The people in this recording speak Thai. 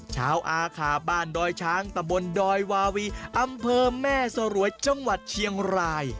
อาขาบ้านดอยช้างตำบลดอยวาวีอำเภอแม่สรวยจังหวัดเชียงราย